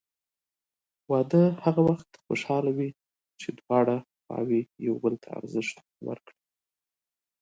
واده هغه وخت خوشحاله وي چې دواړه خواوې یو بل ته ارزښت ورکړي.